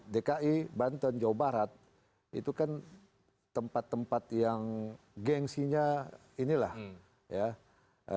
dki banten jawa barat itu kan tempat tempat yang gengsinya inilah ya bisa menguasai tiga tempat itu ya sudah sangat luar biasa